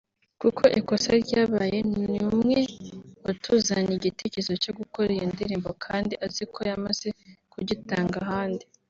Kuko ikosa ryabaye ni umwe watuzaniye igitekerezo cyo gukora iyo ndirimbo kandi azi ko yamaze kugitanga ahandi